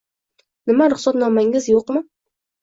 Nima ruxsatnomangiz yo`qmi